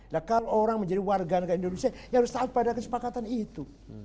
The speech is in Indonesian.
nah kalau orang menjadi warga negara indonesia ya harus taat pada kesepakatan itu